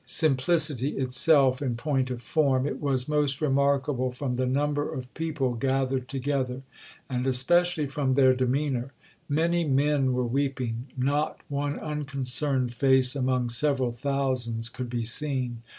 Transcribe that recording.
Simplicity itself in point of form, it was most remarkable from the number of people gathered together, and especially from their demeanour. Many men were weeping: not one unconcerned face among several thousands could be seen.